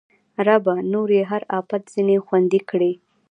ربه! نور یې هر اپت ځنې خوندي کړې